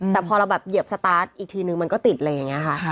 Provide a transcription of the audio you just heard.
แต่พอเราแบบเหยียบสตาร์ทอีกทีนึงมันก็ติดอะไรอย่างนี้ค่ะ